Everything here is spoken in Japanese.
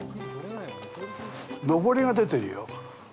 のぼりが出てるよ。